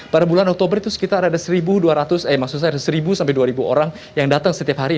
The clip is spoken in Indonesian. pada bulan oktober itu sekitar ada satu sampai dua orang yang datang setiap hari